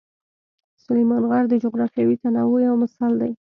سلیمان غر د جغرافیوي تنوع یو مثال دی.